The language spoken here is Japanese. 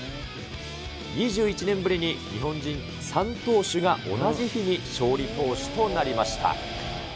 ２１年ぶりに日本人３投手が同じ日に勝利投手となりました。